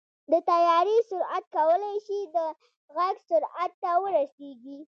د طیارې سرعت کولی شي د غږ سرعت ته ورسېږي.